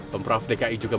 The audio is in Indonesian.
pemprov dki juga menunjukkan